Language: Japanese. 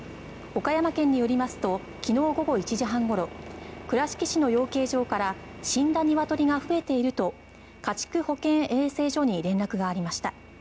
岡山県によりますと昨日午後１時半ごろ倉敷市の養鶏場から死んだニワトリが増えていると家畜保健衛生所に連絡がありました。